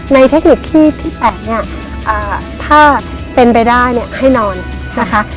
เทคนิคที่๘เนี่ยถ้าเป็นไปได้เนี่ยให้นอนนะคะ